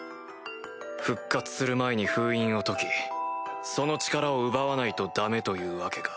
復活する前に封印を解きその力を奪わないとダメというわけか？